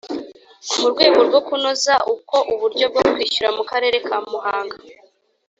Mu rwego rwo kunoza uko uburyo bwo kwishyura mu Karere ka Muhanga